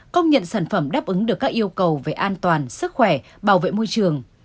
công nhận sản phẩm đáp ứng được các yêu cầu về an toàn sức khỏe bảo vệ môi trường